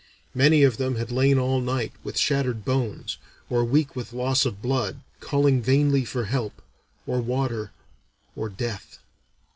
Many of them had lain all night, with shattered bones, or weak with loss of blood, calling vainly for help, or water, or death.